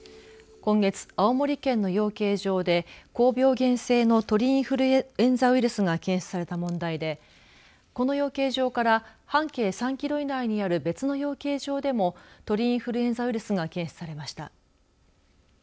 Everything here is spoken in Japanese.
今月、青森県の養鶏場で高病原性の鳥インフルエンザウイルスが検出された問題でこの養鶏場から半径３キロ以内にある別の養鶏場でも鳥インフルエンザウイルスが検出されました。